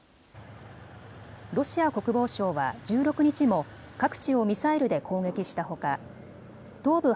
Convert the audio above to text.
ロシア国防省は１６日も各地をミサイルで攻撃したほか東部